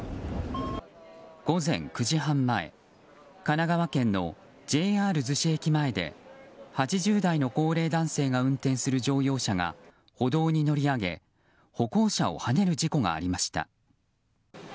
午前９時半前神奈川県のＪＲ逗子駅前で８０代の高齢男性が運転する乗用車が歩道に乗り上げ、歩行者をはねる事故がありました。